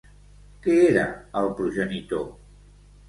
Què era el progenitor?